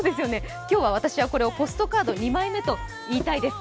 今日は私はポストカード２枚目と言いたいです。